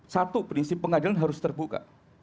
satu prinsip pengadilan harus terbuka